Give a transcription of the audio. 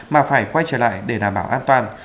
mà phải quay trở lại để đảm bảo an toàn